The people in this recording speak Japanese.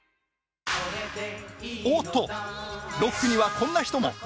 おおっと、六区にはこんな人も。